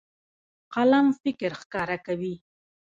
قلم فکر ښکاره کوي.